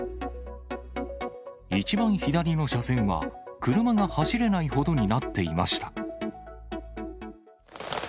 一番左の車線は、車が走れないほどになっていました。